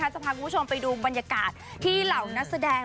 จะพาคุณผู้ชมไปดูบรรยากาศที่เหล่านักแสดง